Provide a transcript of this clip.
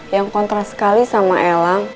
yang kontras sekali sama elang